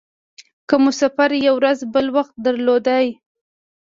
که مو سفر یوه ورځ بل وخت درلودلای.